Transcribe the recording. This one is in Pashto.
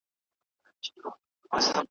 دوې هیلۍ وي له خپل سېله بېلېدلې `